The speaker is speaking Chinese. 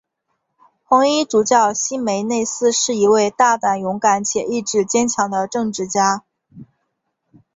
红衣主教希梅内斯是一位大胆勇敢且意志坚强的政治家。